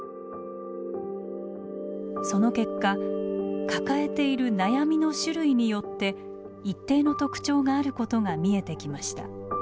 その結果抱えている悩みの種類によって一定の特徴があることが見えてきました。